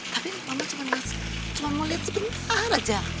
tapi mama cuma mau lihat sebentar aja